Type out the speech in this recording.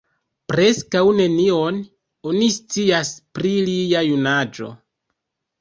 Preskaŭ nenion oni scias pri lia junaĝo.